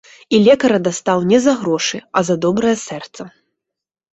І лекара дастаў, не за грошы, а за добрае сэрца.